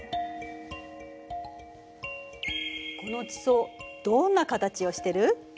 この地層どんな形をしてる？